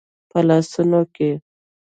په لاسونو کې